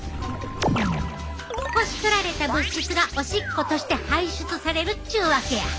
こし取られた物質がおしっことして排出されるっちゅうわけや。